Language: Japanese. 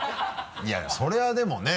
いやいやそれはでもねぇ。